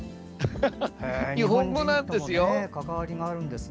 日本語なんですよ。